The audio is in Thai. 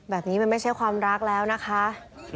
แบบนี้มันไม่ใช่ความรักแล้วนะคะ